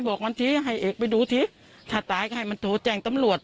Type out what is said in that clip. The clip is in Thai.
บอกว่าให้เอ๊กไปดูสิถ้าตายก็ให้มันโถแต่งตำรวจ